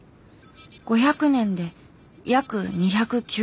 ５００年で約２０９万人。